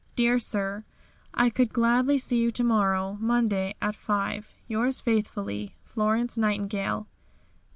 "Dear Sir "I could gladly see you to morrow (Monday) at 5. Yours faithfully, "FLORENCE NIGHTINGALE.